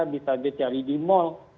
bisa terjadi di mall